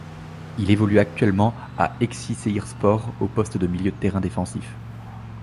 Il évolue actuellement à Eskişehirspor au poste de milieu de terrain défensif.